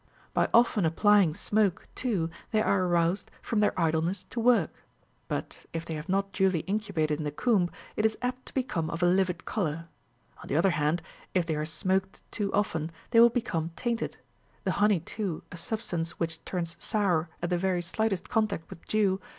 By often applying smoke, too, they are aroused from their idleness to work ; but if they have not duly incubated in the comb, it is apt to become of a livid colour. On the other hand, if they are smoked too often, they will become tainted ; the honey, too, a substance which turns sour at the very slightest contact with dew, will very 43 12th September.